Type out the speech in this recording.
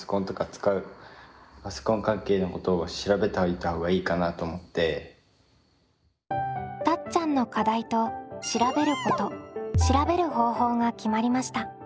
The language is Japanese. たっちゃんの課題と調べること調べる方法が決まりました。